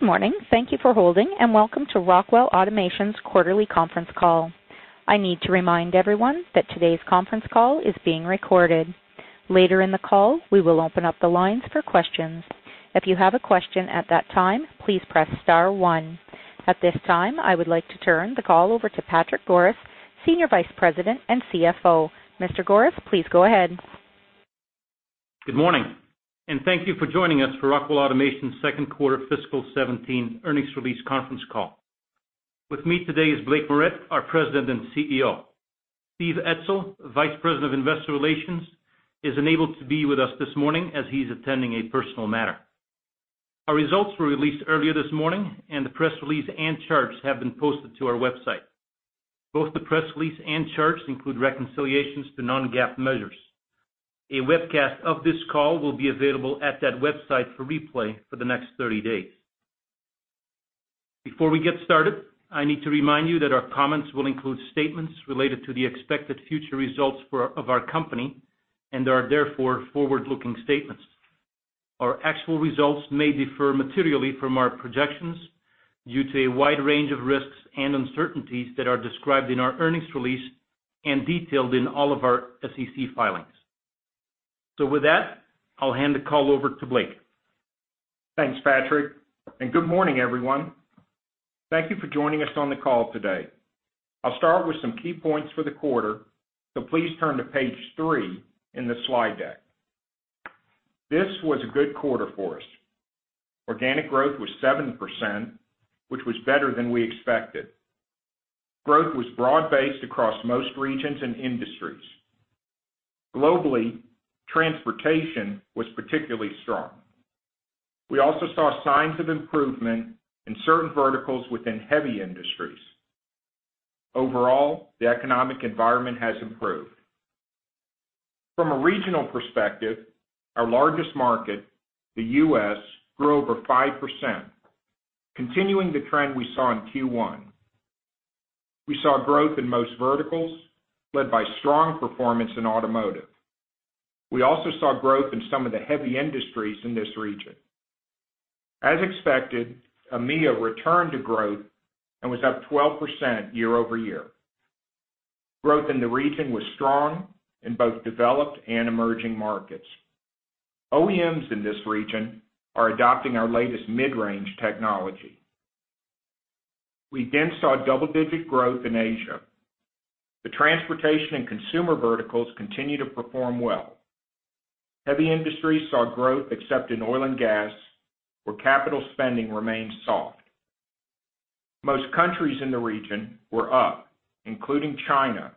Good morning. Thank you for holding, welcome to Rockwell Automation's quarterly conference call. I need to remind everyone that today's conference call is being recorded. Later in the call, we will open up the lines for questions. If you have a question at that time, please press star one. At this time, I would like to turn the call over to Patrick Goris, Senior Vice President and CFO. Mr. Goris, please go ahead. Good morning, thank you for joining us for Rockwell Automation's second quarter fiscal 2017 earnings release conference call. With me today is Blake Moret, our President and CEO. Steve Etzel, Vice President of Investor Relations, is unable to be with us this morning as he's attending a personal matter. Our results were released earlier this morning, the press release and charts have been posted to our website. Both the press release and charts include reconciliations to non-GAAP measures. A webcast of this call will be available at that website for replay for the next 30 days. Before we get started, I need to remind you that our comments will include statements related to the expected future results of our company and are therefore forward-looking statements. Our actual results may differ materially from our projections due to a wide range of risks and uncertainties that are described in our earnings release and detailed in all of our SEC filings. With that, I'll hand the call over to Blake. Thanks, Patrick, good morning, everyone. Thank you for joining us on the call today. I'll start with some key points for the quarter, please turn to page three in the slide deck. This was a good quarter for us. Organic growth was 7%, which was better than we expected. Growth was broad-based across most regions and industries. Globally, transportation was particularly strong. We also saw signs of improvement in certain verticals within heavy industries. Overall, the economic environment has improved. From a regional perspective, our largest market, the U.S., grew over 5%, continuing the trend we saw in Q1. We saw growth in most verticals, led by strong performance in automotive. We also saw growth in some of the heavy industries in this region. As expected, AMEA returned to growth and was up 12% year-over-year. Growth in the region was strong in both developed and emerging markets. OEMs in this region are adopting our latest mid-range technology. We saw double-digit growth in Asia. The transportation and consumer verticals continue to perform well. Heavy industries saw growth except in oil and gas, where capital spending remains soft. Most countries in the region were up, including China,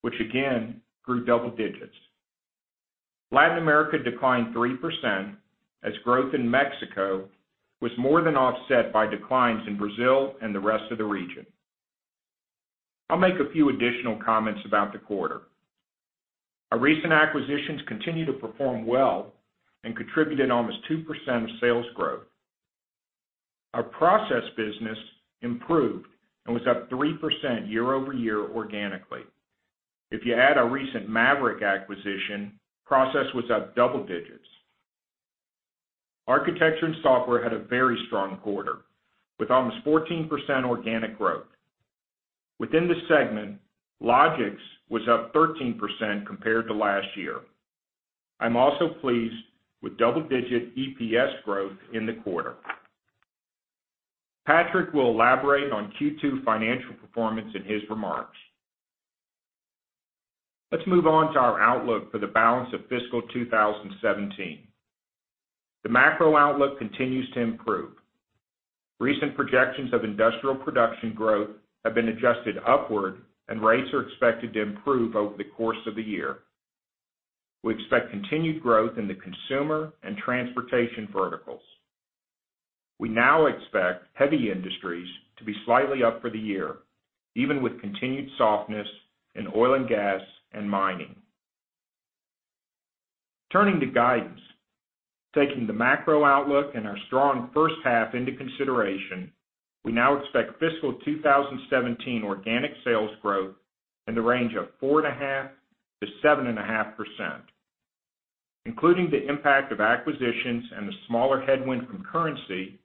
which again grew double digits. Latin America declined 3% as growth in Mexico was more than offset by declines in Brazil and the rest of the region. I'll make a few additional comments about the quarter. Our recent acquisitions continue to perform well and contributed almost 2% of sales growth. Our process business improved and was up 3% year-over-year organically. If you add our recent MAVERICK acquisition, process was up double digits. Architecture & Software had a very strong quarter, with almost 14% organic growth. Within the segment, Logix was up 13% compared to last year. I'm also pleased with double-digit EPS growth in the quarter. Patrick will elaborate on Q2 financial performance in his remarks. Let's move on to our outlook for the balance of fiscal 2017. The macro outlook continues to improve. Recent projections of industrial production growth have been adjusted upward, and rates are expected to improve over the course of the year. We expect continued growth in the consumer and transportation verticals. We now expect heavy industries to be slightly up for the year, even with continued softness in oil and gas and mining. Turning to guidance. Taking the macro outlook and our strong first half into consideration, we now expect fiscal 2017 organic sales growth in the range of 4.5%-7.5%. Including the impact of acquisitions and the smaller headwind from currency,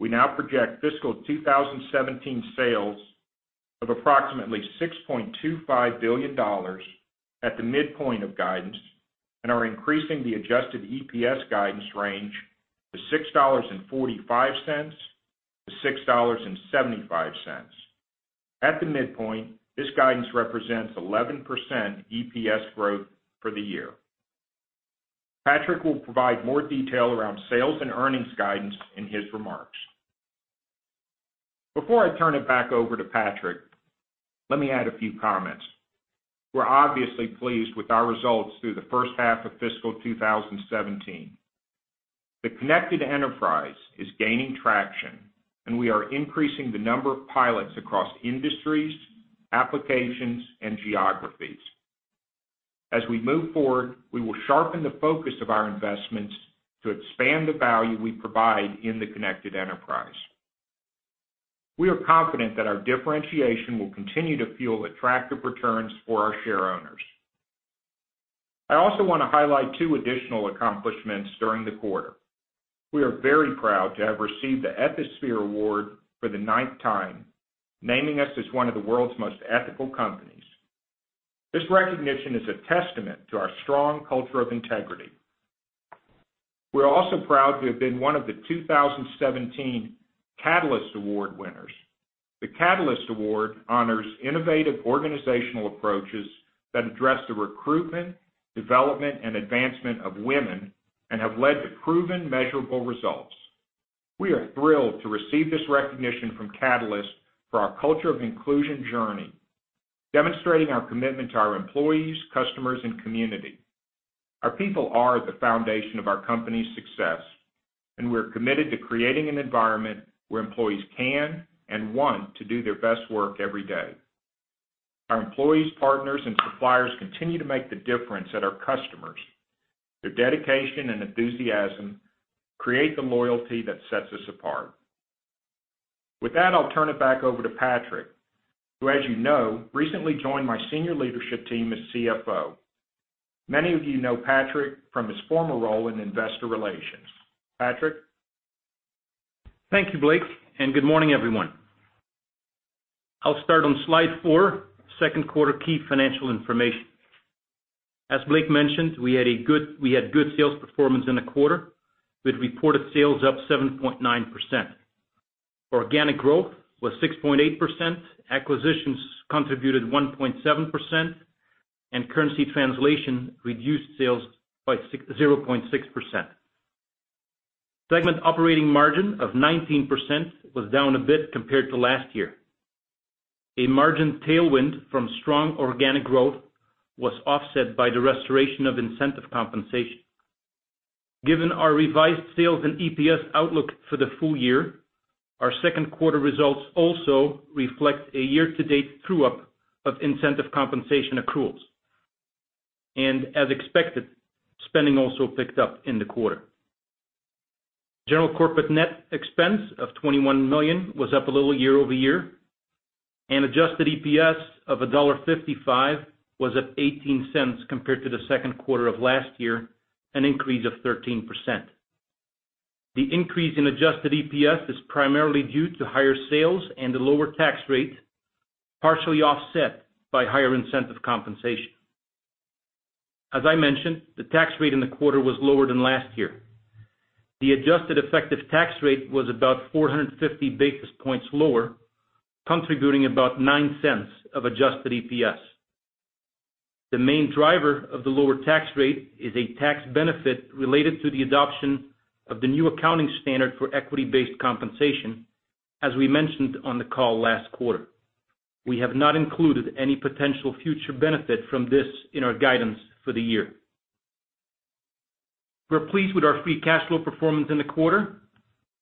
we now project fiscal 2017 sales of approximately $6.25 billion at the midpoint of guidance and are increasing the adjusted EPS guidance range to $6.45-$6.75. At the midpoint, this guidance represents 11% EPS growth for the year. Patrick will provide more detail around sales and earnings guidance in his remarks. Before I turn it back over to Patrick, let me add a few comments. We're obviously pleased with our results through the first half of fiscal 2017. The Connected Enterprise is gaining traction, and we are increasing the number of pilots across industries, applications, and geographies. As we move forward, we will sharpen the focus of our investments to expand the value we provide in the Connected Enterprise. We are confident that our differentiation will continue to fuel attractive returns for our shareowners. I also want to highlight two additional accomplishments during the quarter. We are very proud to have received the Ethisphere Award for the ninth time, naming us as one of the world's most ethical companies. This recognition is a testament to our strong culture of integrity. We're also proud to have been one of the 2017 Catalyst Award winners. The Catalyst Award honors innovative organizational approaches that address the recruitment, development, and advancement of women and have led to proven measurable results. We are thrilled to receive this recognition from Catalyst for our culture of inclusion journey, demonstrating our commitment to our employees, customers, and community. Our people are the foundation of our company's success, and we're committed to creating an environment where employees can and want to do their best work every day. Our employees, partners, and suppliers continue to make the difference at our customers. Their dedication and enthusiasm create the loyalty that sets us apart. With that, I'll turn it back over to Patrick, who as you know, recently joined my senior leadership team as CFO. Many of you know Patrick from his former role in investor relations. Patrick? Thank you, Blake, and good morning, everyone. I'll start on slide four, second quarter key financial information. As Blake mentioned, we had good sales performance in the quarter with reported sales up 7.9%. Organic growth was 6.8%, acquisitions contributed 1.7%, and currency translation reduced sales by 0.6%. Segment operating margin of 19% was down a bit compared to last year. A margin tailwind from strong organic growth was offset by the restoration of incentive compensation. Given our revised sales and EPS outlook for the full year, our second quarter results also reflect a year-to-date true-up of incentive compensation accruals. As expected, spending also picked up in the quarter. General corporate net expense of $21 million was up a little year-over-year, and adjusted EPS of $1.55 was up $0.18 compared to the second quarter of last year, an increase of 13%. The increase in adjusted EPS is primarily due to higher sales and a lower tax rate, partially offset by higher incentive compensation. As I mentioned, the tax rate in the quarter was lower than last year. The adjusted effective tax rate was about 450 basis points lower, contributing about $0.09 of adjusted EPS. The main driver of the lower tax rate is a tax benefit related to the adoption of the new accounting standard for equity-based compensation, as we mentioned on the call last quarter. We have not included any potential future benefit from this in our guidance for the year. We're pleased with our free cash flow performance in the quarter.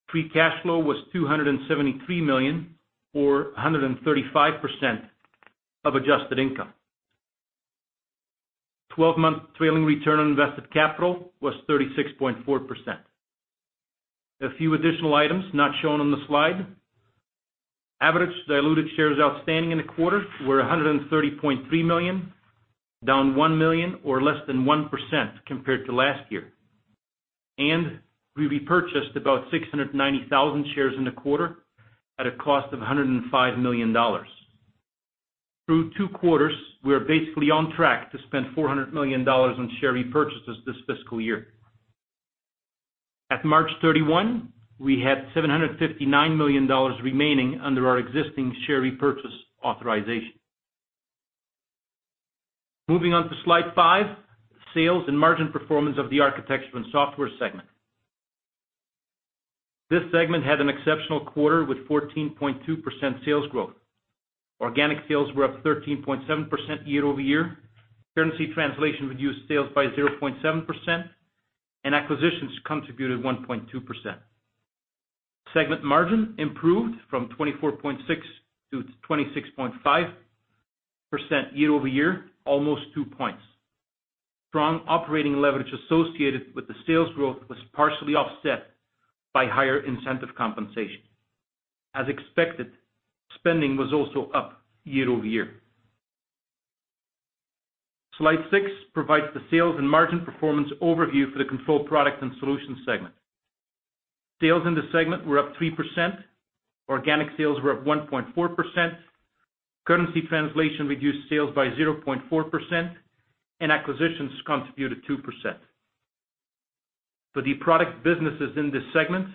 Free cash flow was $273 million, or 135% of adjusted income. Twelve-month trailing return on invested capital was 36.4%. A few additional items not shown on the slide. Average diluted shares outstanding in the quarter were 130.3 million, down one million or less than 1% compared to last year. We repurchased about 690,000 shares in the quarter at a cost of $105 million. Through two quarters, we are basically on track to spend $400 million on share repurchases this fiscal year. At March 31, we had $759 million remaining under our existing share repurchase authorization. Moving on to slide five, sales and margin performance of the Architecture & Software segment. This segment had an exceptional quarter with 14.2% sales growth. Organic sales were up 13.7% year-over-year. Currency translation reduced sales by 0.7%, and acquisitions contributed 1.2%. Segment margin improved from 24.6% to 26.5% year-over-year, almost two points. Strong operating leverage associated with the sales growth was partially offset by higher incentive compensation. As expected, spending was also up year-over-year. Slide six provides the sales and margin performance overview for the Control Products & Solutions segment. Sales in this segment were up 3%. Organic sales were up 1.4%. Currency translation reduced sales by 0.4%, and acquisitions contributed 2%. For the product businesses in this segment,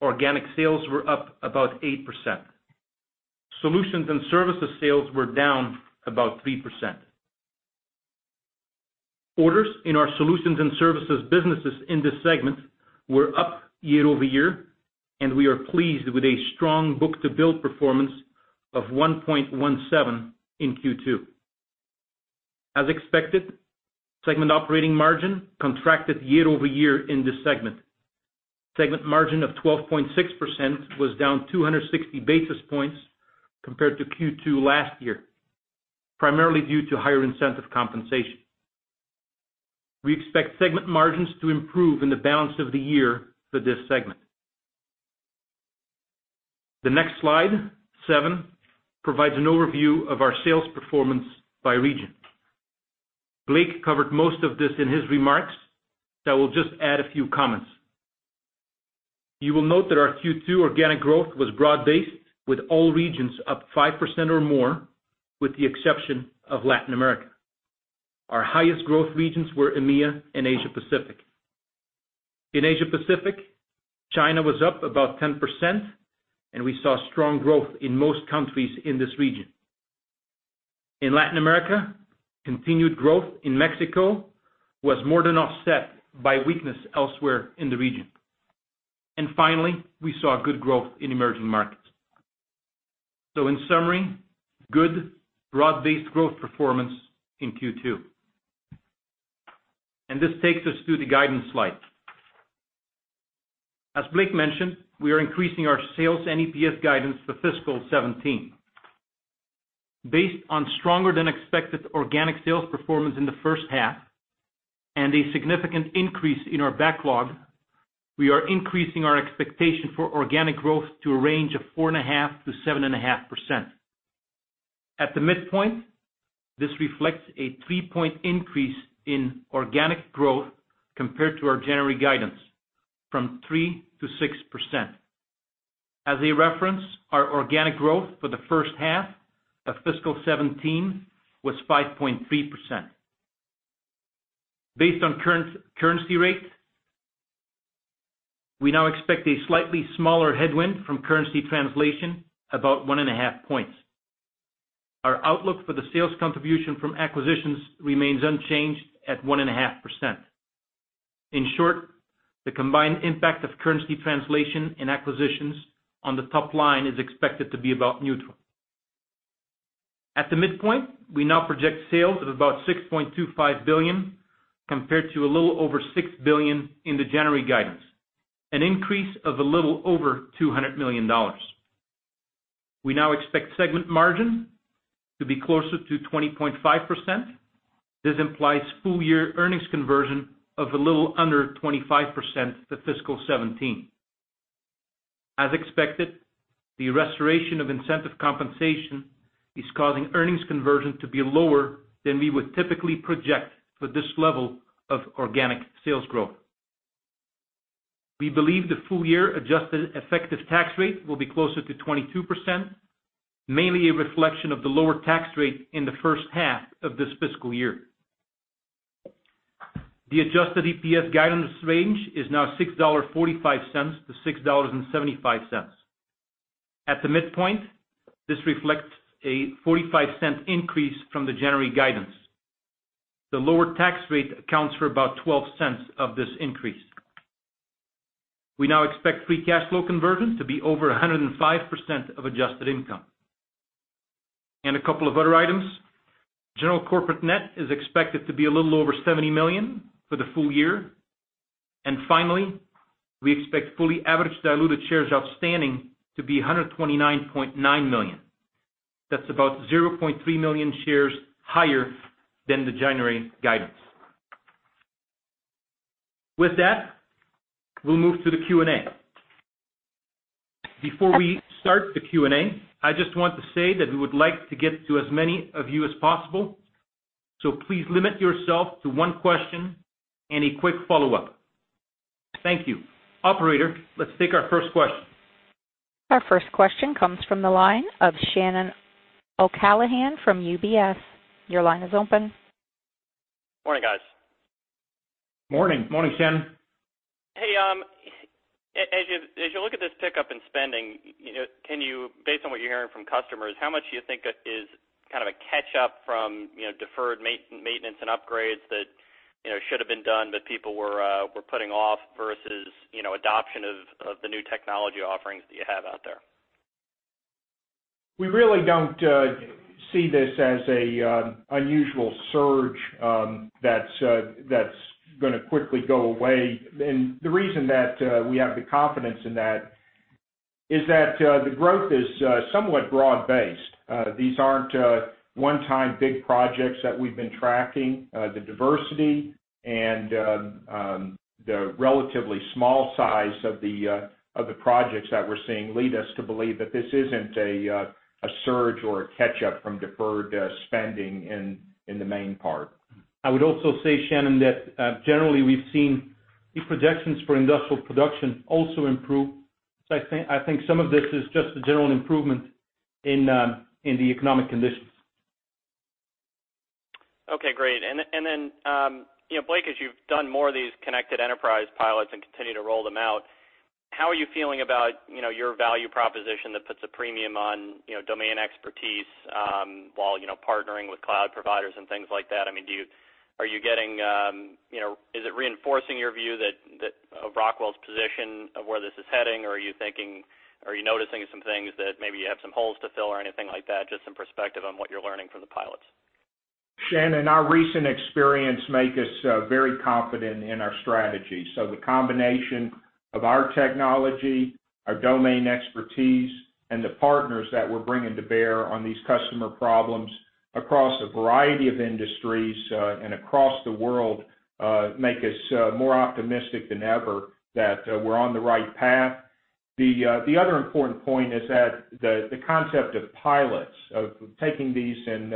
organic sales were up about 8%. Solutions and services sales were down about 3%. Orders in our solutions and services businesses in this segment were up year-over-year, and we are pleased with a strong book-to-bill performance of 1.17 in Q2. As expected, segment operating margin contracted year-over-year in this segment. Segment margin of 12.6% was down 260 basis points compared to Q2 last year, primarily due to higher incentive compensation. We expect segment margins to improve in the balance of the year for this segment. The next slide, seven, provides an overview of our sales performance by region. Blake covered most of this in his remarks, I will just add a few comments. You will note that our Q2 organic growth was broad-based, with all regions up 5% or more, with the exception of Latin America. Our highest growth regions were EMEA and Asia Pacific. In Asia Pacific, China was up about 10%, and we saw strong growth in most countries in this region. In Latin America, continued growth in Mexico was more than offset by weakness elsewhere in the region. Finally, we saw good growth in emerging markets. In summary, good broad-based growth performance in Q2. This takes us to the guidance slide. As Blake mentioned, we are increasing our sales and EPS guidance for fiscal 2017. Based on stronger than expected organic sales performance in the first half and a significant increase in our backlog, we are increasing our expectation for organic growth to a range of 4.5%-7.5%. At the midpoint, this reflects a three-point increase in organic growth compared to our January guidance from 3%-6%. As a reference, our organic growth for the first half of fiscal 2017 was 5.3%. Based on currency rates, we now expect a slightly smaller headwind from currency translation about 1.5 points. Our outlook for the sales contribution from acquisitions remains unchanged at 1.5%. In short, the combined impact of currency translation and acquisitions on the top line is expected to be about neutral. At the midpoint, we now project sales of about $6.25 billion, compared to a little over $6 billion in the January guidance, an increase of a little over $200 million. We now expect segment margin to be closer to 20.5%. This implies full-year earnings conversion of a little under 25% for fiscal 2017. As expected, the restoration of incentive compensation is causing earnings conversion to be lower than we would typically project for this level of organic sales growth. We believe the full-year adjusted effective tax rate will be closer to 22%, mainly a reflection of the lower tax rate in the first half of this fiscal year. The adjusted EPS guidance range is now $6.45-$6.75. At the midpoint, this reflects a $0.45 increase from the January guidance. The lower tax rate accounts for about $0.12 of this increase. We now expect free cash flow conversion to be over 105% of adjusted income. A couple of other items. General corporate net is expected to be a little over $70 million for the full year. Finally, we expect fully average diluted shares outstanding to be $129.9 million. That's about $0.3 million shares higher than the January guidance. With that, we'll move to the Q&A. Before we start the Q&A, I just want to say that we would like to get to as many of you as possible, please limit yourself to one question and a quick follow-up. Thank you. Operator, let's take our first question. Our first question comes from the line of Shannon O'Callaghan from UBS. Your line is open. Morning, guys. Morning. Morning, Shannon. Hey, as you look at this pickup in spending, based on what you're hearing from customers, how much do you think is kind of a catch-up from deferred maintenance and upgrades that should have been done, but people were putting off, versus adoption of the new technology offerings that you have out there? We really don't see this as a unusual surge that's going to quickly go away. The reason that we have the confidence in that is that the growth is somewhat broad-based. These aren't one-time big projects that we've been tracking. The diversity and the relatively small size of the projects that we're seeing lead us to believe that this isn't a surge or a catch-up from deferred spending in the main part. I would also say, Shannon, that generally we've seen the projections for industrial production also improve. I think some of this is just a general improvement in the economic conditions. Okay, great. Then Blake, as you've done more of these Connected Enterprise pilots and continue to roll them out, how are you feeling about your value proposition that puts a premium on domain expertise, while partnering with cloud providers and things like that? Is it reinforcing your view of Rockwell's position of where this is heading, or are you noticing some things that maybe you have some holes to fill or anything like that? Just some perspective on what you're learning from the pilots. Shannon, our recent experience make us very confident in our strategy. The combination of our technology, our domain expertise, and the partners that we're bringing to bear on these customer problems across a variety of industries and across the world make us more optimistic than ever that we're on the right path. The other important point is that the concept of pilots, of taking these in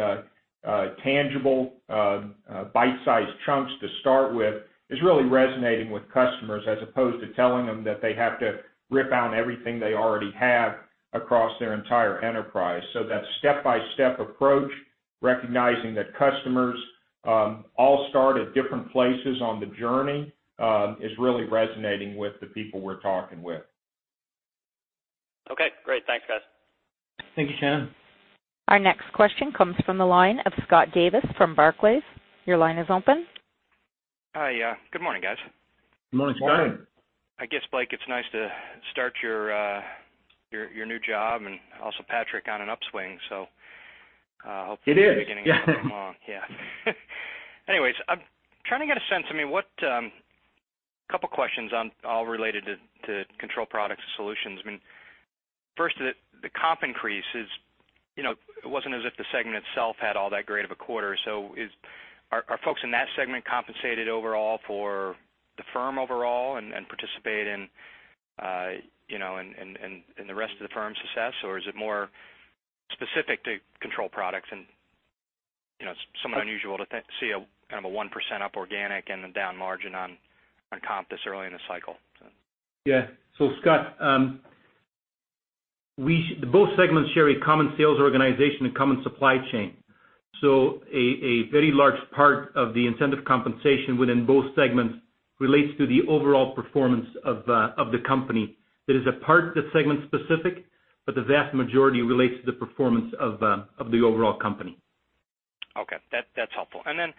tangible bite-sized chunks to start with, is really resonating with customers as opposed to telling them that they have to rip out everything they already have across their entire enterprise. That step-by-step approach, recognizing that customers all start at different places on the journey, is really resonating with the people we're talking with. Okay, great. Thanks, guys. Thank you, Shannon. Our next question comes from the line of Scott Davis from Barclays. Your line is open. Hi. Good morning, guys. Good morning, Scott. Morning. I guess, Blake, it's nice to start your new job, and also Patrick, on an upswing. It is. beginning to go along. Anyways, I'm trying to get a sense. A couple questions, all related to Control Products & Solutions. First, the comp increase, it wasn't as if the segment itself had all that great of a quarter. Are folks in that segment compensated overall for the firm overall, and participate in the rest of the firm's success? Is it more specific to Control Products, and somewhat unusual to see a 1% up organic and a down margin on comp this early in the cycle? Scott, both segments share a common sales organization and common supply chain. A very large part of the incentive compensation within both segments relates to the overall performance of the company. It is a part that's segment specific, the vast majority relates to the performance of the overall company. That's helpful. Then,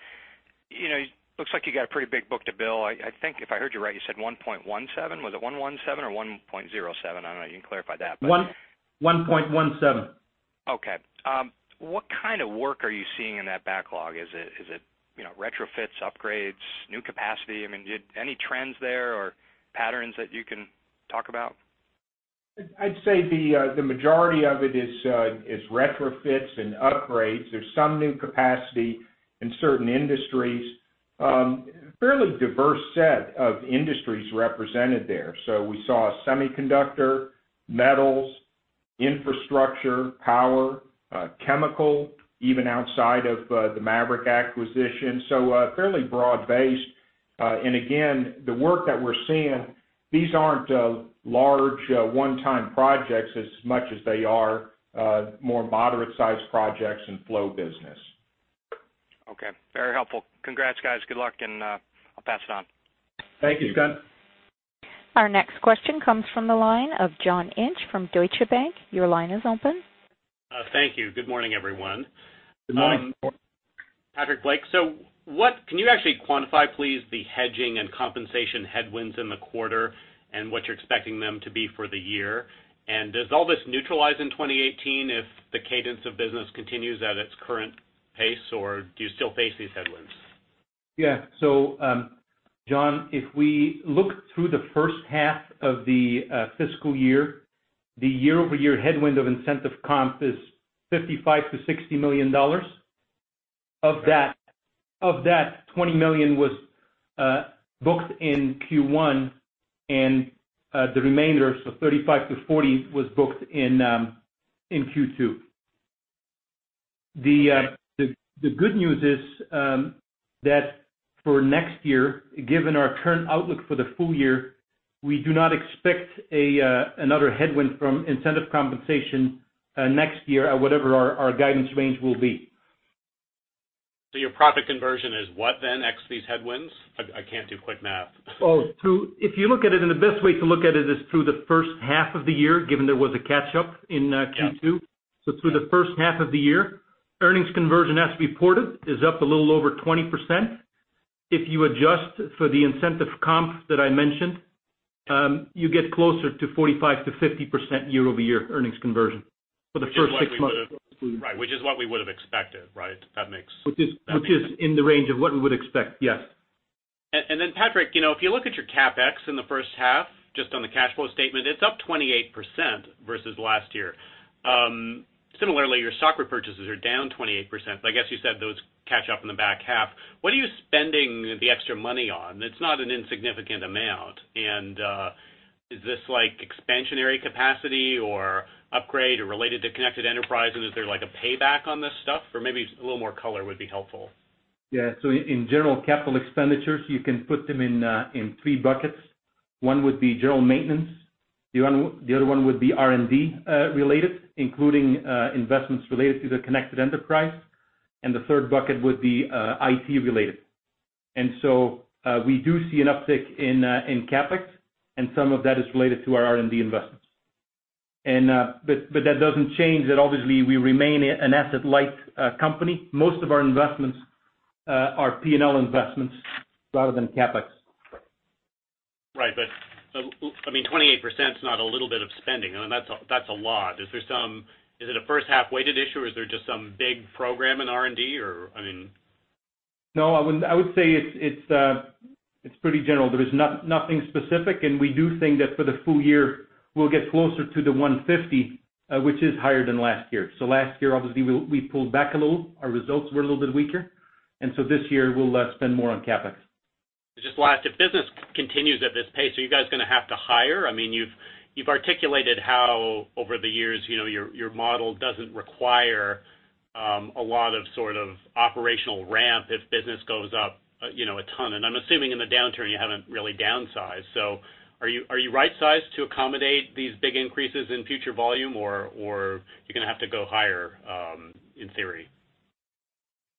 it looks like you got a pretty big book-to-bill. I think if I heard you right, you said 1.17. Was it 117 or 1.07? I don't know. You can clarify that. 1.17. What kind of work are you seeing in that backlog? Is it retrofits, upgrades, new capacity? Any trends there or patterns that you can talk about? I'd say the majority of it is retrofits and upgrades. There's some new capacity in certain industries. A fairly diverse set of industries represented there. We saw semiconductor, metals, infrastructure, power, chemical, even outside of the MAVERICK acquisition. Fairly broad base. Again, the work that we're seeing, these aren't large, one-time projects as much as they are more moderate-sized projects and flow business. Okay. Very helpful. Congrats, guys. Good luck, and I'll pass it on. Thank you, Scott. Our next question comes from the line of John Inch from Deutsche Bank. Your line is open. Thank you. Good morning, everyone. Good morning. Patrick, Blake, can you actually quantify please, the hedging and compensation headwinds in the quarter, and what you're expecting them to be for the year? Does all this neutralize in 2018 if the cadence of business continues at its current pace, or do you still face these headwinds? Yeah. John, if we look through the first half of the fiscal year, the year-over-year headwind of incentive comp is $55 million-$60 million. Of that, $20 million was booked in Q1, the remainder, so $35 million-$40 million, was booked in Q2. The good news is that for next year, given our current outlook for the full year, we do not expect another headwind from incentive compensation next year at whatever our guidance range will be. Your profit conversion is what then, ex these headwinds? I can't do quick math. If you look at it, the best way to look at it is through the first half of the year, given there was a catch-up in Q2. Yeah. Through the first half of the year, earnings conversion as reported is up a little over 20%. If you adjust for the incentive comp that I mentioned, you get closer to 45%-50% year-over-year earnings conversion for the first six months. Right. Which is what we would've expected, right? That makes sense. Which is in the range of what we would expect. Yes. Patrick, if you look at your CapEx in the first half, just on the cash flow statement, it's up 28% versus last year. Similarly, your stock repurchases are down 28%, I guess you said those catch up in the back half. What are you spending the extra money on? It's not an insignificant amount. Is this expansionary capacity or upgrade or related to Connected Enterprise? Is there a payback on this stuff? Maybe just a little more color would be helpful. Yeah. In general, capital expenditures, you can put them in three buckets. One would be general maintenance. The other one would be R&D related, including investments related to the Connected Enterprise. The third bucket would be IT related. We do see an uptick in CapEx, and some of that is related to our R&D investments. That doesn't change that obviously, we remain an asset-light company. Most of our investments are P&L investments rather than CapEx. Right. 28%'s not a little bit of spending. That's a lot. Is it a first-half-weighted issue, is there just some big program in R&D? No, I would say it's pretty general. There is nothing specific. We do think that for the full year, we'll get closer to the $150, which is higher than last year. Last year, obviously, we pulled back a little. Our results were a little bit weaker. This year, we'll spend more on CapEx. Just last, if business continues at this pace, are you guys going to have to hire? You've articulated how over the years, your model doesn't require a lot of sort of operational ramp if business goes up a ton. I'm assuming in the downturn you haven't really downsized. Are you right-sized to accommodate these big increases in future volume, or you're going to have to go higher, in theory?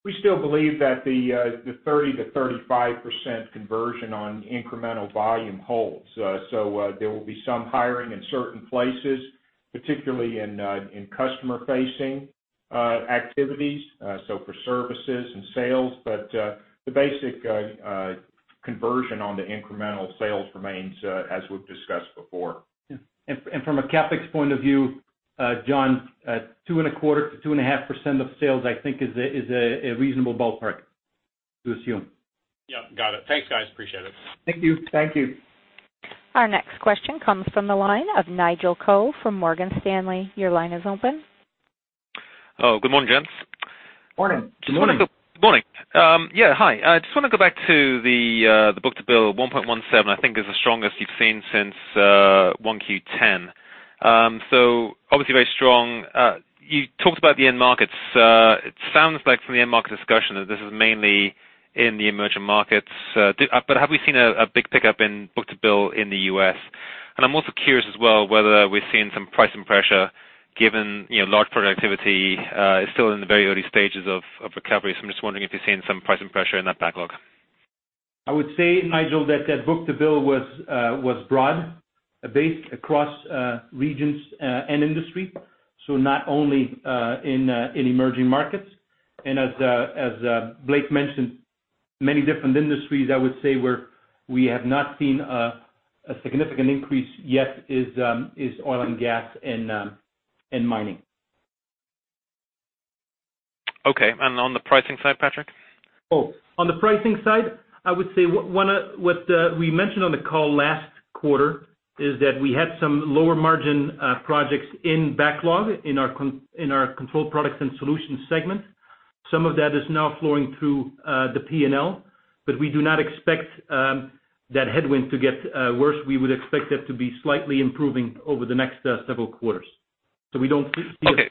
We still believe that the 30%-35% conversion on incremental volume holds. There will be some hiring in certain places, particularly in customer-facing activities, so for services and sales. The basic conversion on the incremental sales remains as we've discussed before. From a CapEx point of view, John, 2.25%-2.5% of sales, I think is a reasonable ballpark to assume. Yep. Got it. Thanks, guys. Appreciate it. Thank you. Thank you. Our next question comes from the line of Nigel Coe from Morgan Stanley. Your line is open. good morning, gents. Morning. Morning. Morning. Yeah, hi. I just want to go back to the book-to-bill, 1.17, I think is the strongest you've seen since 1Q10. Obviously very strong. You talked about the end markets. It sounds like from the end market discussion that this is mainly in the emerging markets. Have we seen a big pickup in book-to-bill in the U.S.? I'm also curious as well whether we're seeing some pricing pressure given you know large productivity is still in the very early stages of recovery. I'm just wondering if you're seeing some pricing pressure in that backlog. I would say, Nigel, that that book-to-bill was broad-based across regions and industry. Not only in emerging markets, and as Blake mentioned, many different industries, I would say, where we have not seen a significant increase yet is oil and gas and mining. Okay, on the pricing side, Patrick? On the pricing side, I would say what we mentioned on the call last quarter is that we had some lower margin projects in backlog in our Control Products & Solutions segment. Some of that is now flowing through the P&L, but we do not expect that headwind to get worse. We would expect that to be slightly improving over the next several quarters. We don't see it. Okay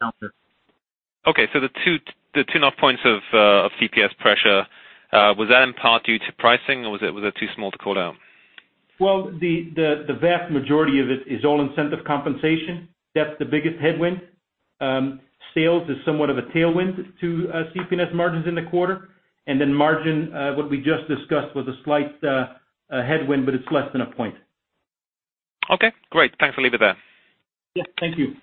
out there. The two rough points of CP&S pressure, was that in part due to pricing, or was it too small to call out? The vast majority of it is all incentive compensation. That's the biggest headwind. Sales is somewhat of a tailwind to CP&S margins in the quarter. Margin, what we just discussed, was a slight headwind, but it's less than a point. Okay, great. Thanks. I'll leave it there. Yeah, thank you.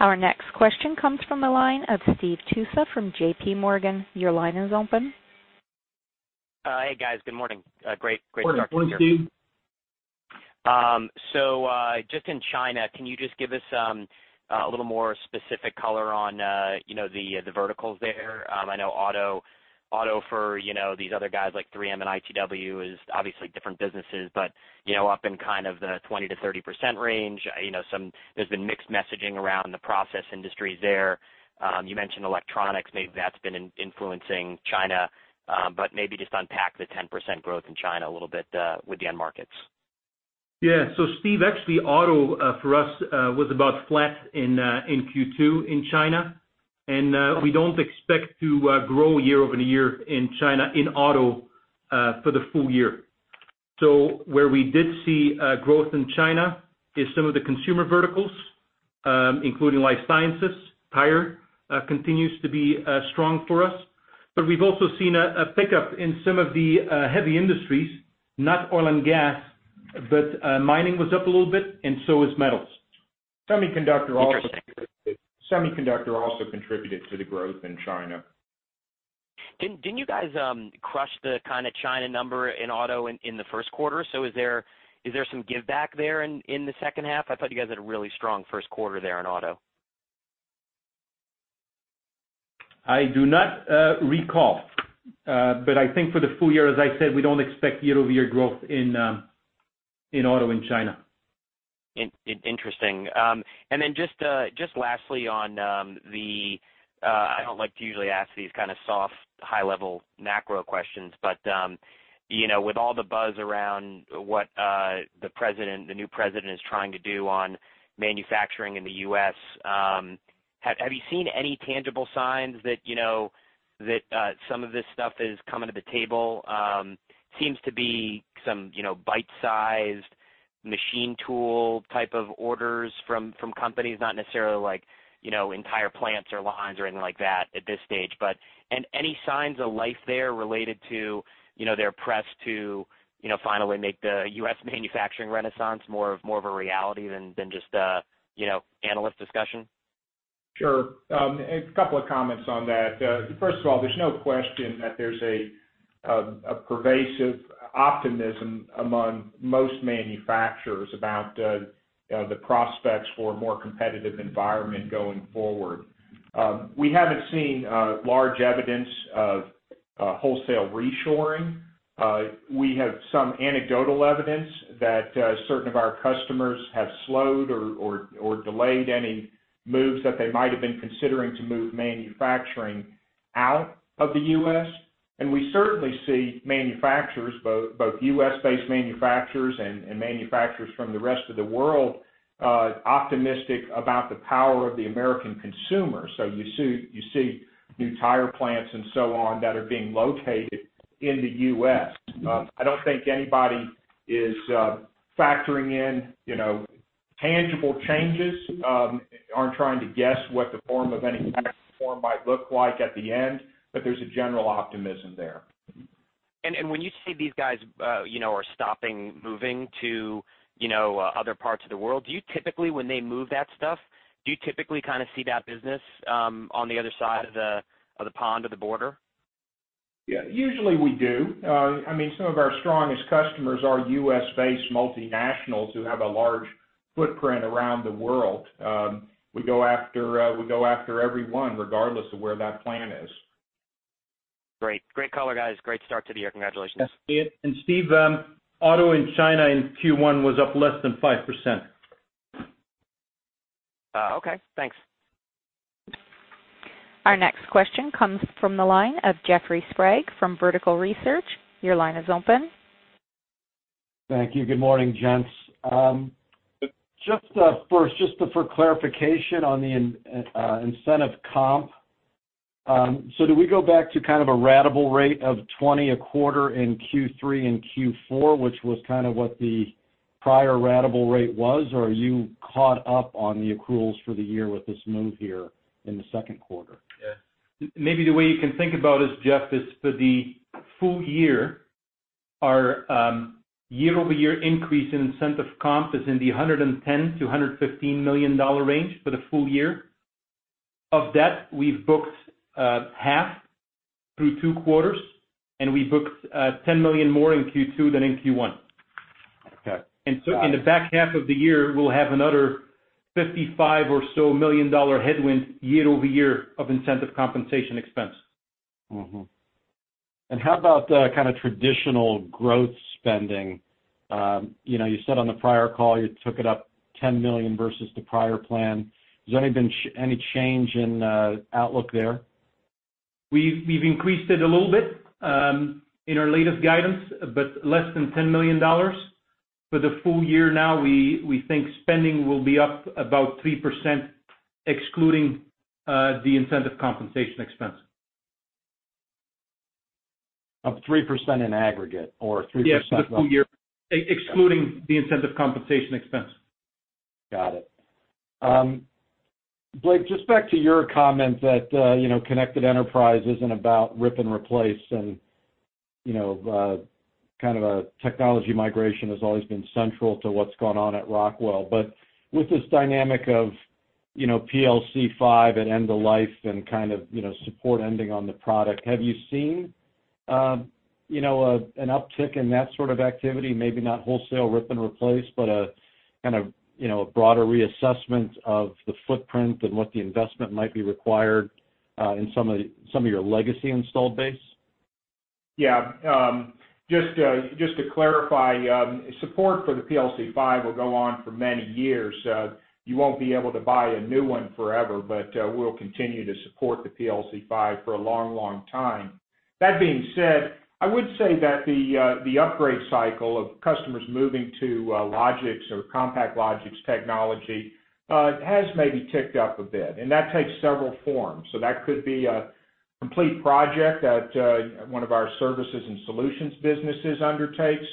Our next question comes from the line of Steve Tusa from J.P. Morgan. Your line is open. Hey, guys. Good morning. Great to talk to you. Morning, Steve. Just in China, can you just give us a little more specific color on the verticals there? I know auto for these other guys like 3M and ITW is obviously different businesses, but up in kind of the 20%-30% range. There's been mixed messaging around the process industries there. You mentioned electronics, maybe that's been influencing China. Maybe just unpack the 10% growth in China a little bit with the end markets. Yeah. Steve, actually, auto for us was about flat in Q2 in China, and we don't expect to grow year-over-year in China in auto for the full year. Where we did see growth in China is some of the consumer verticals, including life sciences. Tire continues to be strong for us. We've also seen a pickup in some of the heavy industries, not oil and gas, but mining was up a little bit and so is metals. Semiconductor also contributed to the growth in China. Didn't you guys crush the kind of China number in auto in the first quarter? Is there some giveback there in the second half? I thought you guys had a really strong first quarter there in auto. I do not recall. I think for the full year, as I said, we don't expect year-over-year growth in auto in China. Interesting. Just lastly on the-- I don't like to usually ask these kind of soft, high level macro questions, with all the buzz around what the new president is trying to do on manufacturing in the U.S., have you seen any tangible signs that some of this stuff is coming to the table? Seems to be some bite-sized machine tool type of orders from companies, not necessarily entire plants or lines or anything like that at this stage. Any signs of life there related to their press to finally make the U.S. manufacturing renaissance more of a reality than just analyst discussion? Sure. A couple of comments on that. First of all, there's no question that there's a pervasive optimism among most manufacturers about the prospects for a more competitive environment going forward. We haven't seen large evidence of wholesale reshoring. We have some anecdotal evidence that certain of our customers have slowed or delayed any moves that they might have been considering to move manufacturing. Out of the U.S., we certainly see manufacturers, both U.S.-based manufacturers and manufacturers from the rest of the world, optimistic about the power of the American consumer. You see new tire plants and so on that are being located in the U.S. I don't think anybody is factoring in tangible changes, aren't trying to guess what the form of any tax reform might look like at the end, there's a general optimism there. When you say these guys are stopping moving to other parts of the world, when they move that stuff, do you typically see that business on the other side of the pond or the border? Yeah, usually we do. Some of our strongest customers are U.S.-based multinationals who have a large footprint around the world. We go after every one, regardless of where that plant is. Great. Great color, guys. Great start to the year. Congratulations. Steve, auto in China in Q1 was up less than 5%. Okay, thanks. Our next question comes from the line of Jeffrey Sprague from Vertical Research. Your line is open. Thank you. Good morning, gents. Just for clarification on the incentive comp, do we go back to kind of a ratable rate of 20 a quarter in Q3 and Q4, which was kind of what the prior ratable rate was, or are you caught up on the accruals for the year with this move here in the second quarter? Maybe the way you can think about it, Jeff, is for the full year, our year-over-year increase in incentive comp is in the $110 million-$115 million range for the full year. Of that, we've booked half through two quarters, and we booked $10 million more in Q2 than in Q1. Okay. Got it. In the back half of the year, we'll have another $55 million or so headwind year-over-year of incentive compensation expense. How about the kind of traditional growth spending? You said on the prior call you took it up $10 million versus the prior plan. Has there been any change in outlook there? We've increased it a little bit in our latest guidance, less than $10 million. For the full year now, we think spending will be up about 3%, excluding the incentive compensation expense. Up 3% in aggregate or 3% Yeah, for the full year, excluding the incentive compensation expense. Got it. Blake, just back to your comment that Connected Enterprise isn't about rip and replace and kind of a technology migration has always been central to what's gone on at Rockwell. With this dynamic of PLC-5 at end of life and kind of support ending on the product, have you seen an uptick in that sort of activity? Maybe not wholesale rip and replace, but a kind of broader reassessment of the footprint and what the investment might be required in some of your legacy installed base? Yeah. Just to clarify, support for the PLC-5 will go on for many years. You won't be able to buy a new one forever, but we'll continue to support the PLC-5 for a long time. That being said, I would say that the upgrade cycle of customers moving to Logix or CompactLogix technology has maybe ticked up a bit, and that takes several forms. That could be a complete project that one of our services and solutions businesses undertakes.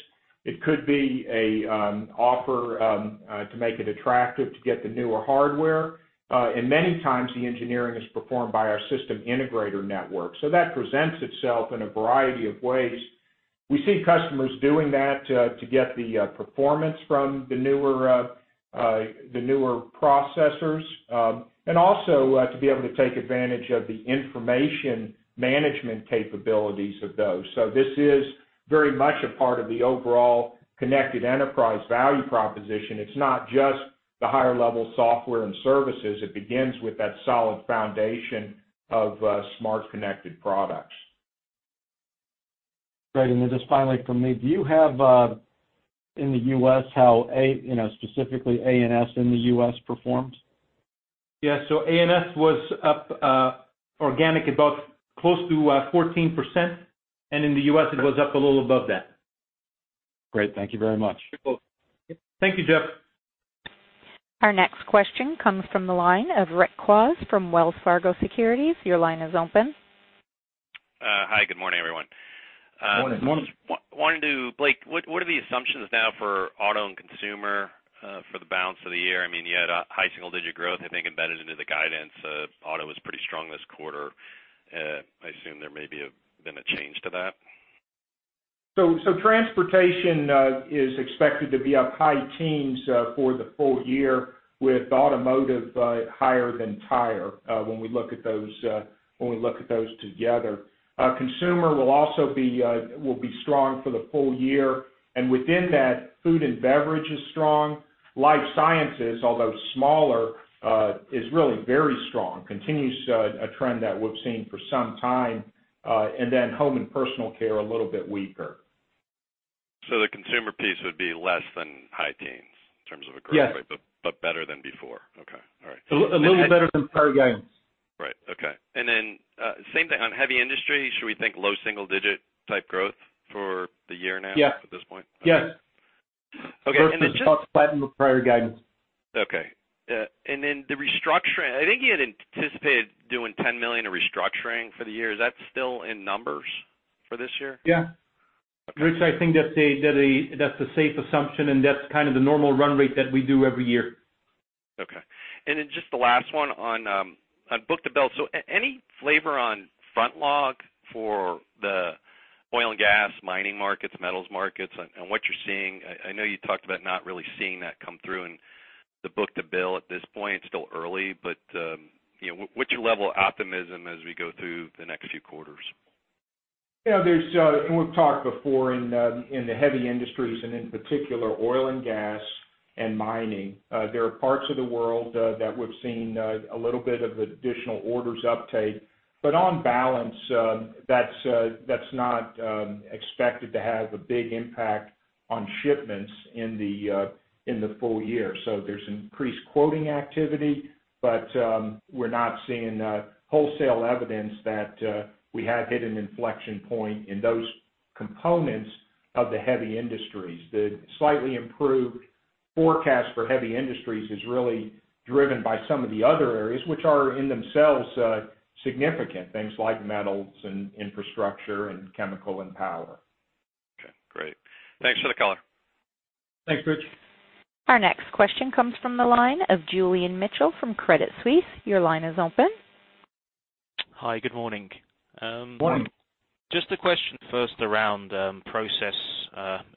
It could be an offer to make it attractive to get the newer hardware. Many times, the engineering is performed by our system integrator network. That presents itself in a variety of ways. We see customers doing that to get the performance from the newer processors, and also to be able to take advantage of the information management capabilities of those. This is very much a part of the overall Connected Enterprise value proposition. It's not just the higher-level software and services. It begins with that solid foundation of smart, connected products. Great. Then just finally from me, do you have in the U.S. how specifically A&S in the U.S. performed? Yeah. A&S was up organic, about close to 14%, and in the U.S., it was up a little above that. Great. Thank you very much. You're welcome. Thank you, Jeff. Our next question comes from the line of Rich Kwas from Wells Fargo Securities. Your line is open. Hi, good morning, everyone. Morning. Morning. Blake, what are the assumptions now for auto and consumer for the balance of the year? You had high single-digit growth, I think, embedded into the guidance. Auto was pretty strong this quarter. I assume there may have been a change to that. Transportation is expected to be up high teens for the full year, with automotive higher than tire, when we look at those together. Consumer will be strong for the full year, and within that, food and beverage is strong. Life sciences, although smaller, is really very strong, continues a trend that we've seen for some time. Home and personal care, a little bit weaker. The consumer piece would be less than high teens in terms of a growth rate. Yes Better than before. Okay. All right. A little better than prior guidance. Right. Okay. Same thing on heavy industry. Should we think low single digit type growth for the year. Yes At this point? Yes. Okay. prior guidance. Okay. The restructuring, I think you had anticipated doing $10 million in restructuring for the year. Is that still in numbers for this year? Yeah. Rich, I think that's the safe assumption, and that's kind of the normal run rate that we do every year. Okay. Just the last one on book-to-bill. Any flavor on front log for the oil and gas mining markets, metals markets and what you're seeing? I know you talked about not really seeing that come through in the book-to-bill at this point. It's still early, but what's your level of optimism as we go through the next few quarters? Yeah. We've talked before in the heavy industries and in particular oil and gas and mining. There are parts of the world that we've seen a little bit of additional orders uptake, but on balance, that's not expected to have a big impact on shipments in the full year. There's increased quoting activity, but we're not seeing wholesale evidence that we have hit an inflection point in those components of the heavy industries. The slightly improved forecast for heavy industries is really driven by some of the other areas which are, in themselves, significant. Things like metals and infrastructure and chemical and power. Okay, great. Thanks for the color. Thanks, Rich. Our next question comes from the line of Julian Mitchell from Credit Suisse. Your line is open. Hi. Good morning. Morning. Just a question first around process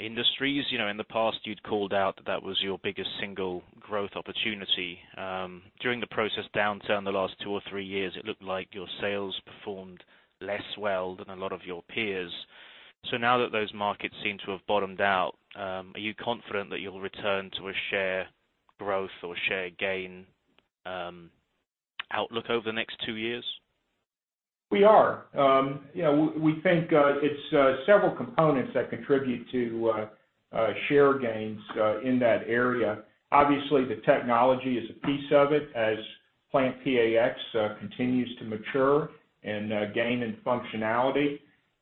industries. In the past, you'd called out that that was your biggest single growth opportunity. During the process downturn the last two or three years, it looked like your sales performed less well than a lot of your peers. Now that those markets seem to have bottomed out, are you confident that you'll return to a share growth or share gain outlook over the next two years? We are. We think it's several components that contribute to share gains in that area. Obviously, the technology is a piece of it as PlantPAx continues to mature and gain in functionality.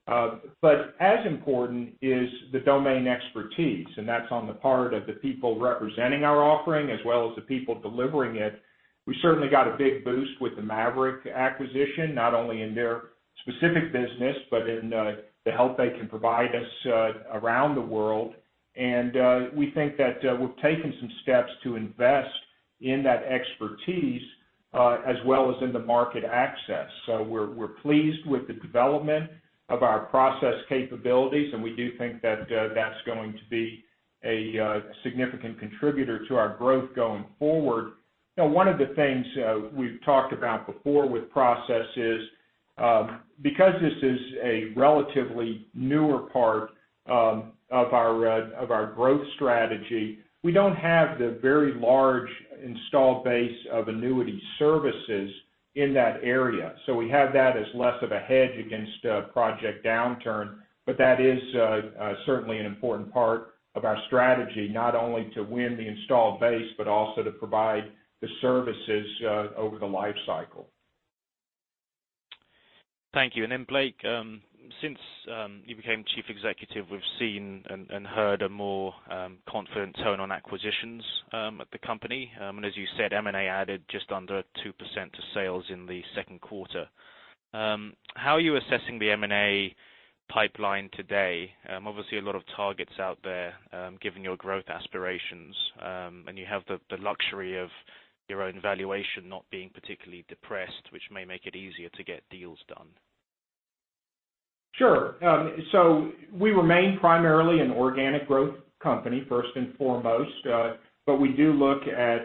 As important is the domain expertise, and that's on the part of the people representing our offering as well as the people delivering it. We certainly got a big boost with the MAVERICK acquisition, not only in their specific business, but in the help they can provide us around the world. We think that we've taken some steps to invest in that expertise as well as in the market access. We're pleased with the development of our process capabilities, and we do think that that's going to be a significant contributor to our growth going forward. One of the things we've talked about before with process is, because this is a relatively newer part of our growth strategy, we don't have the very large install base of annuity services in that area. We have that as less of a hedge against a project downturn. That is certainly an important part of our strategy, not only to win the installed base, but also to provide the services over the life cycle. Thank you. Blake, since you became Chief Executive, we've seen and heard a more confident tone on acquisitions at the company. As you said, M&A added just under 2% to sales in the second quarter. How are you assessing the M&A pipeline today? Obviously, a lot of targets out there given your growth aspirations. You have the luxury of your own valuation not being particularly depressed, which may make it easier to get deals done. Sure. We remain primarily an organic growth company, first and foremost. We do look at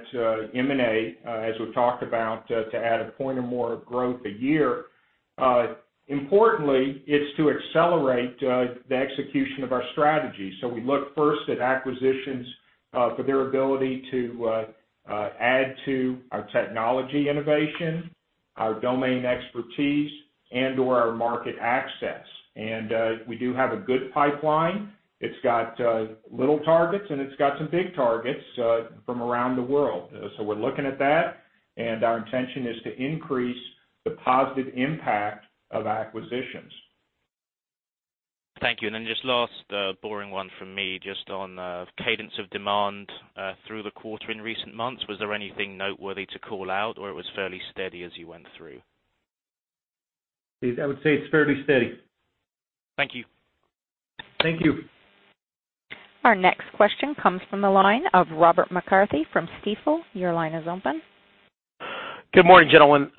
M&A, as we've talked about to add a point or more of growth a year. Importantly, it's to accelerate the execution of our strategy. We look first at acquisitions for their ability to add to our technology innovation, our domain expertise, and/or our market access. We do have a good pipeline. It's got little targets, it's got some big targets from around the world. We're looking at that, our intention is to increase the positive impact of acquisitions. Thank you. Just last boring one from me, just on cadence of demand through the quarter in recent months. Was there anything noteworthy to call out, it was fairly steady as you went through? I would say it's fairly steady. Thank you. Thank you. Our next question comes from the line of Robert McCarthy from Stifel. Your line is open. Good morning, gentlemen.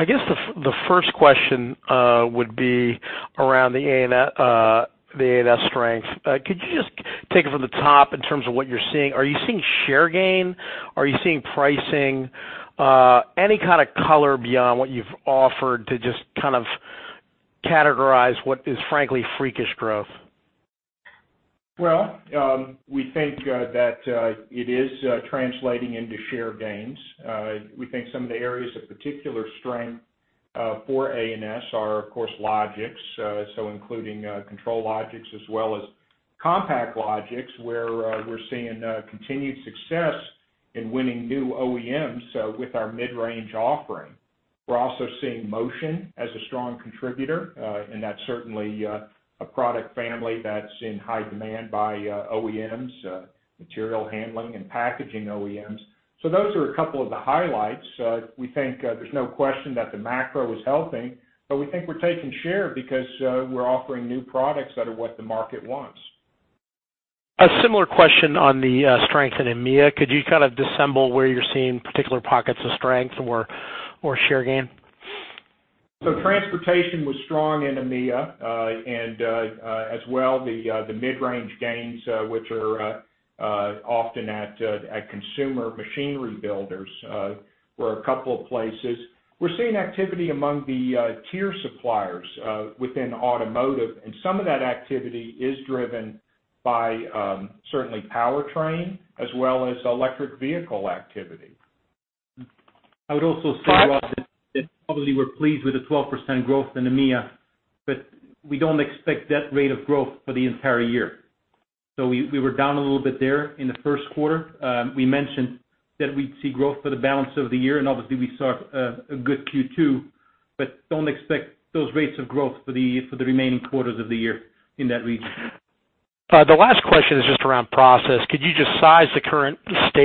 I guess the first question would be around the A&S strength. Could you just take it from the top in terms of what you're seeing? Are you seeing share gain? Are you seeing pricing? Any kind of color beyond what you've offered to just kind of categorize what is frankly freakish growth? We think that it is translating into share gains. We think some of the areas of particular strength for A&S are, of course, Logix, including ControlLogix as well as CompactLogix, where we're seeing continued success in winning new OEMs, with our mid-range offering. We're also seeing motion as a strong contributor, and that's certainly a product family that's in high demand by OEMs, material handling, and packaging OEMs. Those are a couple of the highlights. We think there's no question that the macro is helping, we think we're taking share because we're offering new products that are what the market wants. A similar question on the strength in EMEA. Could you kind of disassemble where you're seeing particular pockets of strength or share gain? Transportation was strong in EMEA, as well, the mid-range gains, which are often at consumer machinery builders, were a couple of places. We're seeing activity among the tier suppliers within automotive, some of that activity is driven by certainly powertrain as well as electric vehicle activity. I would also say, Rob, that probably we're pleased with the 12% growth in EMEA, we don't expect that rate of growth for the entire year. We were down a little bit there in the first quarter. We mentioned that we'd see growth for the balance of the year, obviously, we saw a good Q2, don't expect those rates of growth for the remaining quarters of the year in that region. The last question is just around process. Could you just size the size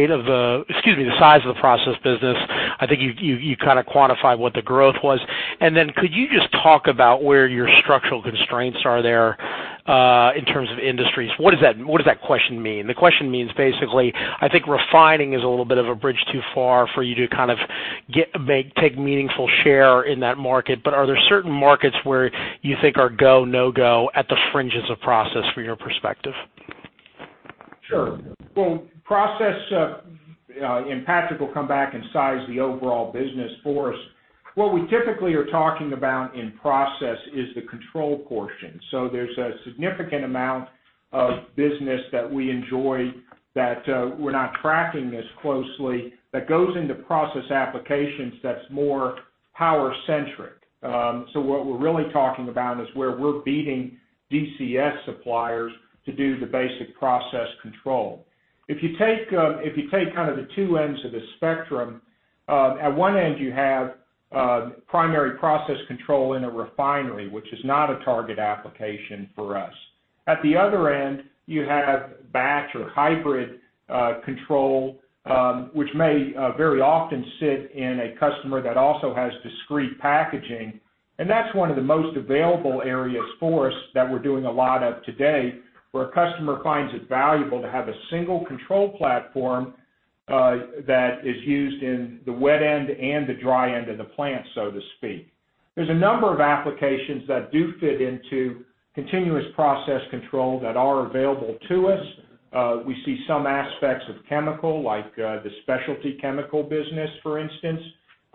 of the process business? I think you kind of quantified what the growth was. Then could you just talk about where your structural constraints are there, in terms of industries? What does that question mean? The question means basically, I think refining is a little bit of a bridge too far for you to kind of take meaningful share in that market. Are there certain markets where you think are go, no go at the fringes of process from your perspective? Sure. Well, process, Patrick will come back and size the overall business for us. What we typically are talking about in process is the control portion. There's a significant amount of business that we enjoy that we're not tracking as closely, that goes into process applications that's more power-centric. What we're really talking about is where we're beating DCS suppliers to do the basic process control. If you take kind of the two ends of the spectrum, at one end, you have primary process control in a refinery, which is not a target application for us. At the other end, you have batch or hybrid control, which may very often sit in a customer that also has discrete packaging, that's one of the most available areas for us that we're doing a lot of today, where a customer finds it valuable to have a single control platform that is used in the wet end and the dry end of the plant, so to speak. There's a number of applications that do fit into continuous process control that are available to us. We see some aspects of chemical, like the specialty chemical business, for instance,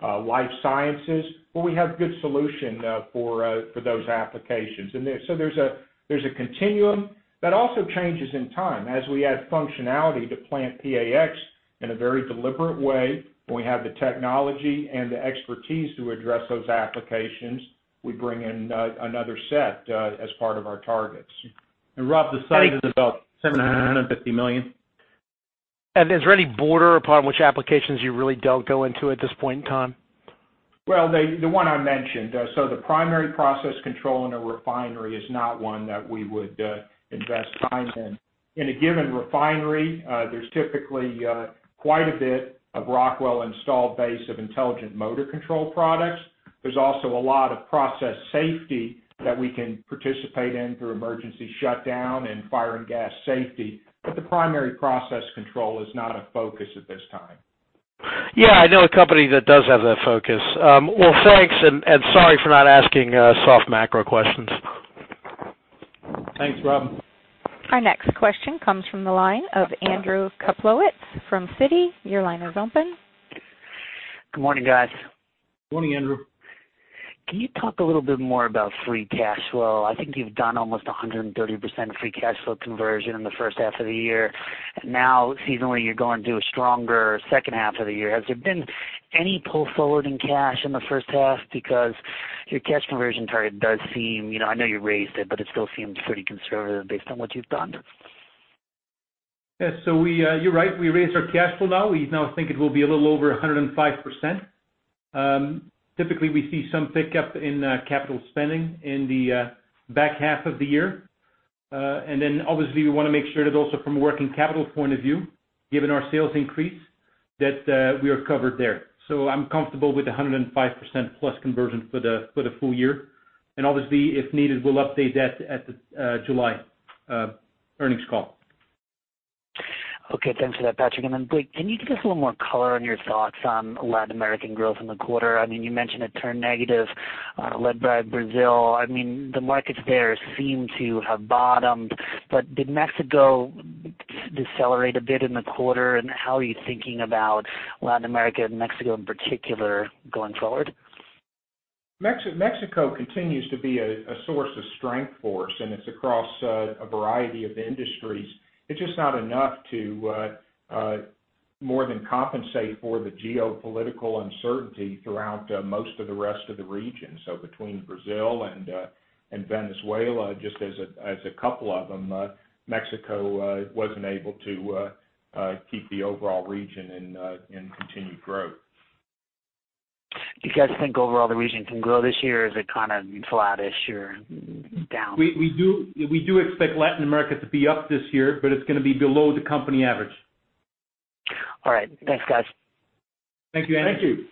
life sciences, where we have good solution for those applications. There's a continuum that also changes in time as we add functionality to PlantPAx in a very deliberate way. When we have the technology and the expertise to address those applications, we bring in another set as part of our targets. Rob, the size is about $750 million. Is there any border upon which applications you really don't go into at this point in time? Well, the one I mentioned. The primary process control in a refinery is not one that we would invest time in. In a given refinery, there's typically quite a bit of Rockwell installed base of intelligent motor control products. There's also a lot of process safety that we can participate in through emergency shutdown and fire and gas safety, the primary process control is not a focus at this time. Yeah, I know a company that does have that focus. Well, thanks, and sorry for not asking soft macro questions. Thanks, Rob. Our next question comes from the line of Andrew Kaplowitz from Citi. Your line is open. Good morning, guys. Good morning, Andrew. Can you talk a little bit more about free cash flow? I think you've done almost 130% free cash flow conversion in the first half of the year. Seasonally, you're going to do a stronger second half of the year. Has there been any pull forward in cash in the first half? Your cash conversion target does seem, I know you raised it, but it still seems pretty conservative based on what you've done. Yes. You're right. We raised our cash flow now. We now think it will be a little over 105%. Typically, we see some pickup in capital spending in the back half of the year. Obviously, we want to make sure that also from a working capital point of view, given our sales increase, that we are covered there. I'm comfortable with the 105% plus conversion for the full year. Obviously, if needed, we'll update that at the July earnings call. Okay. Thanks for that, Patrick. Blake, can you give us a little more color on your thoughts on Latin American growth in the quarter? You mentioned it turned negative, led by Brazil. The markets there seem to have bottomed, did Mexico decelerate a bit in the quarter, and how are you thinking about Latin America and Mexico in particular going forward? Mexico continues to be a source of strength for us, it's across a variety of industries. It's just not enough to More than compensate for the geopolitical uncertainty throughout most of the rest of the region. Between Brazil and Venezuela, just as a couple of them, Mexico wasn't able to keep the overall region in continued growth. Do you guys think overall the region can grow this year? Or is it kind of flattish or down? We do expect Latin America to be up this year, but it's going to be below the company average. All right. Thanks, guys. Thank you, Andrew. Thank you.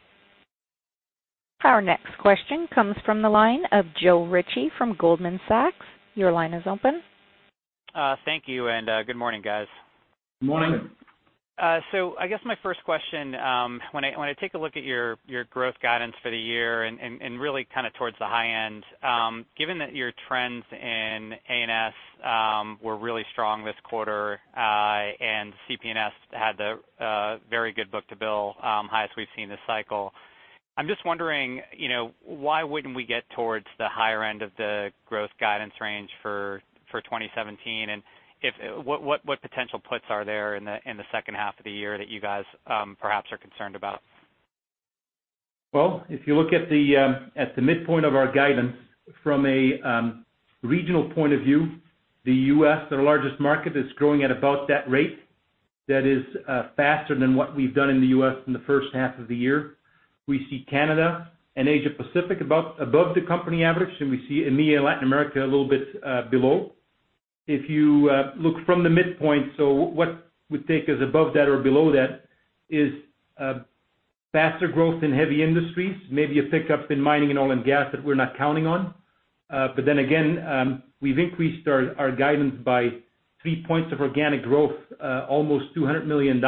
Our next question comes from the line of Joe Ritchie from Goldman Sachs. Your line is open. Thank you, good morning, guys. Morning. Morning. I guess my first question, when I take a look at your growth guidance for the year and really kind of towards the high end, given that your trends in A&S were really strong this quarter, CP&S had the very good book-to-bill, highest we've seen this cycle. I'm just wondering, why wouldn't we get towards the higher end of the growth guidance range for 2017? What potential puts are there in the second half of the year that you guys perhaps are concerned about? If you look at the midpoint of our guidance from a regional point of view, the U.S., the largest market, is growing at about that rate. That is faster than what we've done in the U.S. in the first half of the year. We see Canada and Asia Pacific above the company average, and we see EMEA and Latin America a little bit below. If you look from the midpoint, what would take us above that or below that is faster growth in heavy industries, maybe a pickup in mining and oil and gas that we're not counting on. We've increased our guidance by three points of organic growth, almost $200 million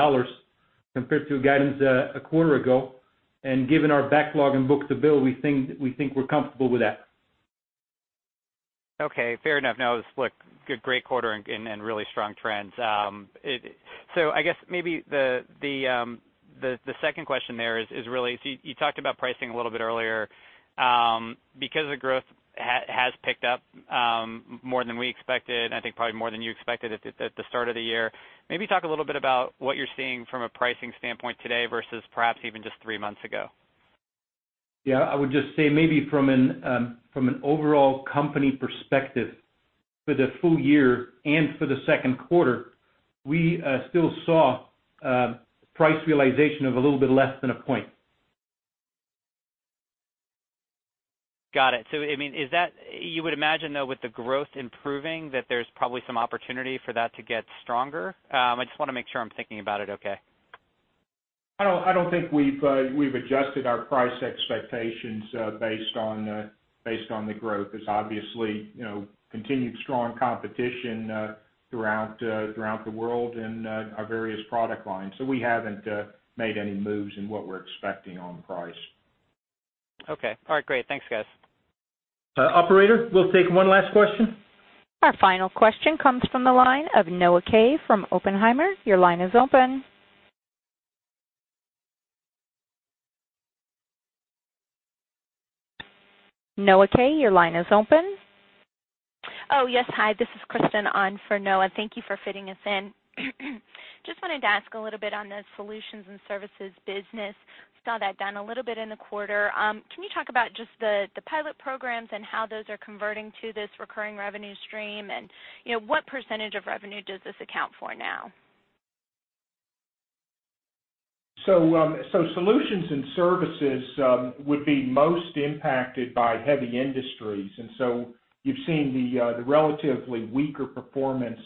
compared to guidance a quarter ago. Given our backlog and book-to-bill, we think we're comfortable with that. Okay, fair enough. Great quarter and really strong trends. I guess maybe the second question there is really, you talked about pricing a little bit earlier. The growth has picked up more than we expected, and I think probably more than you expected at the start of the year, maybe talk a little bit about what you're seeing from a pricing standpoint today versus perhaps even just three months ago. I would just say maybe from an overall company perspective, for the full year and for the second quarter, we still saw price realization of a little bit less than a point. Got it. You would imagine, though, with the growth improving, that there's probably some opportunity for that to get stronger? I just want to make sure I'm thinking about it okay. I don't think we've adjusted our price expectations based on the growth. There's obviously continued strong competition throughout the world in our various product lines. We haven't made any moves in what we're expecting on price. Okay. All right, great. Thanks, guys. Operator, we'll take one last question. Our final question comes from the line of Noah Kaye from Oppenheimer. Your line is open. Noah Kaye, your line is open. Hi, this is Kristen on for Noah. Thank you for fitting us in. Wanted to ask a little bit on the Solutions and Services business. We saw that down a little bit in the quarter. Can you talk about the pilot programs and how those are converting to this recurring revenue stream? What percentage of revenue does this account for now? Solutions and Services would be most impacted by heavy industries. You've seen the relatively weaker performance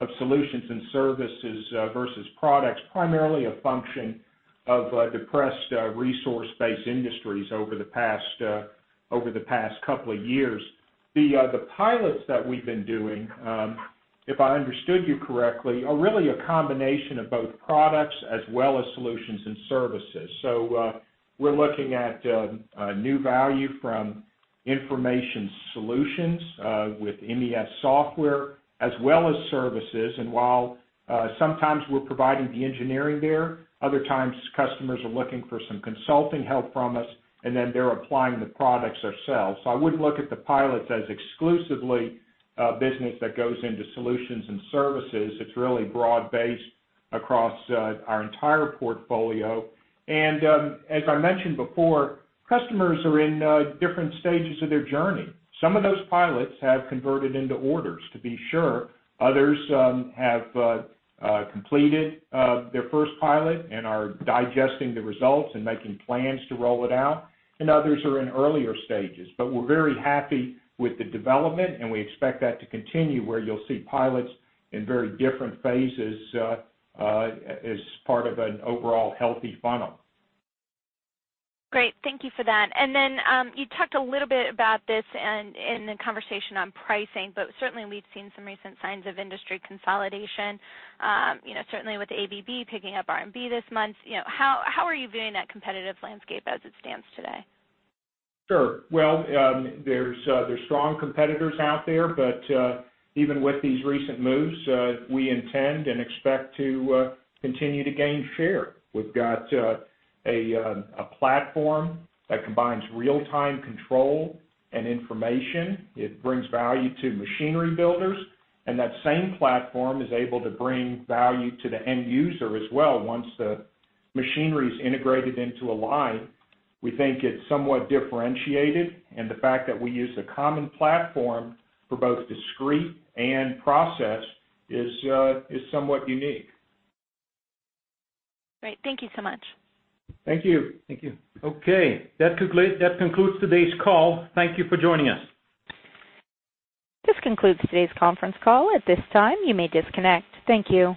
of Solutions and Services versus products, primarily a function of depressed resource-based industries over the past couple of years. The pilots that we've been doing, if I understood you correctly, are really a combination of both products as well as Solutions and Services. We're looking at new value from information solutions with MES software as well as services. While sometimes we're providing the engineering there, other times customers are looking for some consulting help from us, then they're applying the products ourselves. I wouldn't look at the pilots as exclusively a business that goes into Solutions and Services. It's really broad-based across our entire portfolio. As I mentioned before, customers are in different stages of their journey. Some of those pilots have converted into orders, to be sure. Others have completed their first pilot and are digesting the results and making plans to roll it out, and others are in earlier stages. We're very happy with the development, and we expect that to continue, where you'll see pilots in very different phases as part of an overall healthy funnel. Great. Thank you for that. You talked a little bit about this in the conversation on pricing, but certainly we've seen some recent signs of industry consolidation, certainly with ABB picking up B&R this month. How are you viewing that competitive landscape as it stands today? Sure. Well, there's strong competitors out there, but even with these recent moves, we intend and expect to continue to gain share. We've got a platform that combines real-time control and information. It brings value to machinery builders, and that same platform is able to bring value to the end user as well once the machinery is integrated into a line. We think it's somewhat differentiated, and the fact that we use a common platform for both discrete and process is somewhat unique. Great. Thank you so much. Thank you. Thank you. Okay, that concludes today's call. Thank you for joining us. This concludes today's conference call. At this time, you may disconnect. Thank you.